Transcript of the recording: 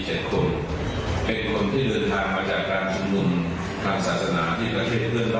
เจ็ดคนเป็นคนที่เดินทางมาจากการชุมนุมทางศาสนาที่ประเทศเพื่อนบ้าน